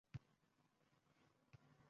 Ochig‘i, ko‘p ham terga botib ishlamasdik.